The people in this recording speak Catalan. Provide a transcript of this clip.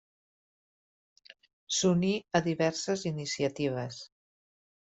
S'uní a diverses iniciatives.